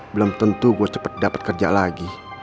belum tentu gue dapat kerja lagi